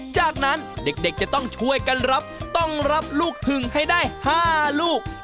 จากนั้นเด็กจะต้องช่วยกันรับต้องรับลูกถึงให้ได้๕ลูก